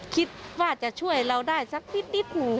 คิดว่าจะช่วยเราได้สักนิดหนึ่ง